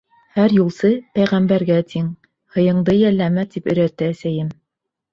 Һәр юлсы пәйғәмбәргә тиң, һыйыңды йәлләмә, тип өйрәтте әсәйем.